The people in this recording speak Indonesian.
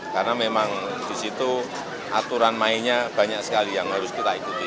karena memang di situ aturan mainnya banyak sekali yang harus kita ikuti